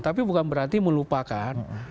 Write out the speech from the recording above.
tapi bukan berarti melupakan